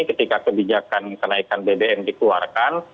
ketika kebijakan kenaikan bbm dikeluarkan